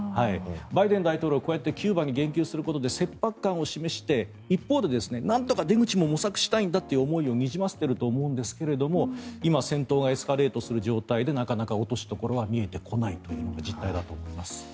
バイデン大統領はこうやって言及することで切迫感を示して一方で、なんとか出口を模索したいんだという思いをにじませていると思うんですが今、戦闘がエスカレートする状態でなかなか落としどころは見えてこないのが実態だと思います。